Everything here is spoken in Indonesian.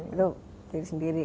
itu diri sendiri